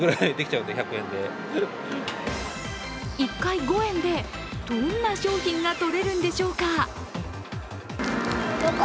１回５円でどんな商品が取れるんでしょうか。